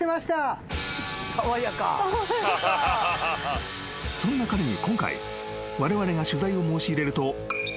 ［そんな彼に今回われわれが取材を申し入れると］